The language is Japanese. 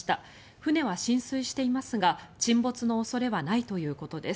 船は浸水していますが沈没の恐れはないということです。